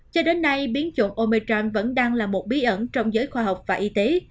cho đến nay biến chủng omecham vẫn đang là một bí ẩn trong giới khoa học và y tế